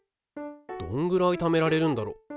どんぐらいためられるんだろ？